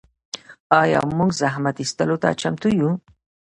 آیا موږ زحمت ایستلو ته چمتو یو؟